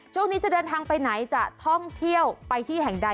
ช่วงนี้จะเดินทางไปไหนจะท่องเที่ยวไปที่แห่งใด